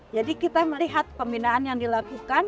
jadi kita melihat pembinaan yang dilakukan